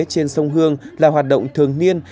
trên sông hương là hoạt động thường niên